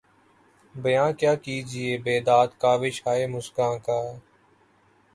بیاں کیا کیجیے بیداد کاوش ہائے مژگاں کا